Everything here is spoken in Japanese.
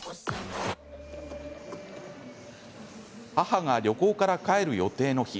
母が旅行から帰る予定の日。